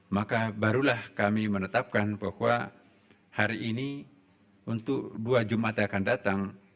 maka barulah kami menetapkan bahwa hari ini untuk dua jumat yang akan datang